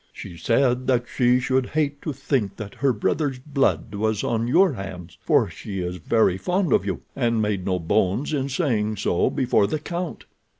She said that she should hate to think that her brother's blood was on your hands, for she is very fond of you, and made no bones in saying so before the count.